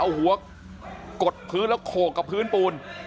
เอาหัวกดพื้นแล้วโขกกับพื้นปูน